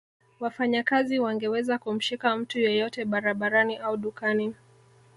Wafanyakazi wangeweza kumshika mtu yeyote barabarani au dukani